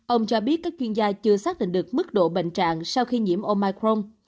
ông cho biết các chuyên gia chưa xác định được mức độ bệnh trạng sau khi nhiễm omicron